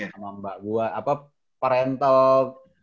sama mbak gue parental